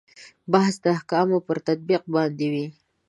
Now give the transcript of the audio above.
بحث د احکامو پر تطبیق باندې وي.